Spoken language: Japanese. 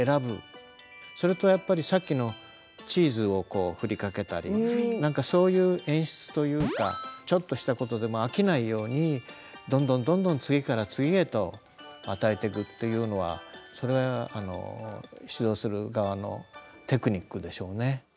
それとやっぱりさっきのチーズを振りかけたりそういう演出というかちょっとしたことでも飽きないようにどんどんどんどん次から次へと与えてくというのはそれは指導する側のテクニックでしょうね。